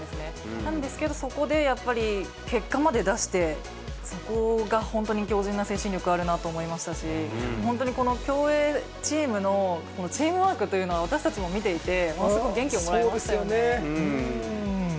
なんですけど、そこでやっぱり、結果まで出して、そこが本当に、強じんな精神力があるなと思いましたし、本当にこの競泳チームのチームワークというのは、私たちも見ていて、ものすごい元気をもらったので。